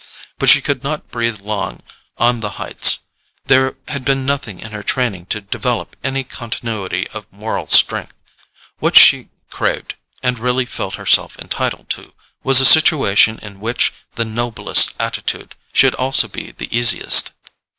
But she could not breathe long on the heights; there had been nothing in her training to develop any continuity of moral strength: what she craved, and really felt herself entitled to, was a situation in which the noblest attitude should also be the easiest.